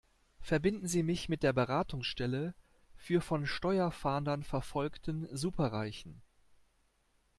Verbinden Sie mich mit der Beratungsstelle für von Steuerfahndern verfolgten Superreichen!